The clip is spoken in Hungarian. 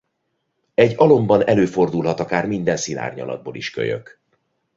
Egy alomban előfordulhat akár minden színárnyalatból is kölyök.